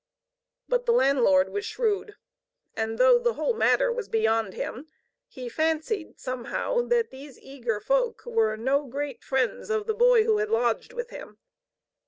But the landlord was shrewd, and though the whole matter was beyond him, he fancied somehow that these eager folk were no great friends of the boy who had lodged with him.